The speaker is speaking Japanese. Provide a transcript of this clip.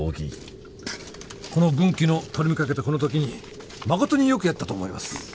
この軍紀のたるみかけたこの時にまことによくやったと思います。